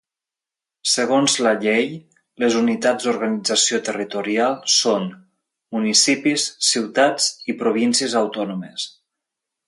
Segons la llei, les unitats d'organització territorial són: municipis, ciutats i províncies autònomes.